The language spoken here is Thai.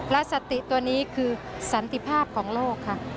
และสติตัวนี้คือสันติภาพของโลกค่ะ